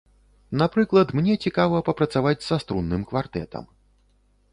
Напрыклад, мне цікава папрацаваць са струнным квартэтам.